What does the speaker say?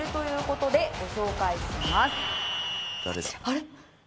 あれ？